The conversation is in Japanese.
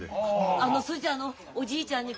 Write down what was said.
あのそいじゃあのおじいちゃんに紅白のお餅。